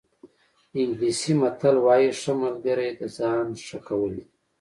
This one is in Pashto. انګلیسي متل وایي ښه ملګری د ځان ښه کول دي.